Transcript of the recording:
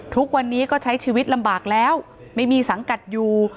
ทุกวันนี้ก็ใช้ชีวิตลำบากแล้วไม่มีสังกัดอยู่